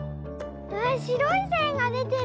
わしろいせんがでてる！